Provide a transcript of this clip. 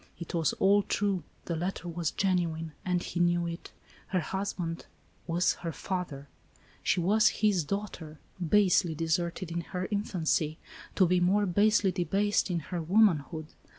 It was all true, the letter was genuine, — and he knew it. Her husband was her father ! She was his daughter, basely deserted, in her ALICE ; OR, THE WAGES OF SIN. 107 infancy, to be more basely debased in her womanhood!